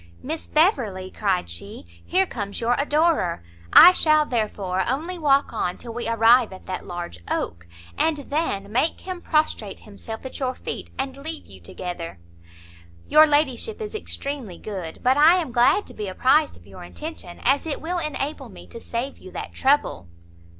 "Miss Beverley," cried she, "here comes your adorer; I shall therefore only walk on till we arrive at that large oak, and then make him prostrate himself at your feet, and leave you together." "Your ladyship is extremely good! but I am glad to be apprized of your intention, as it will enable me to save you that trouble."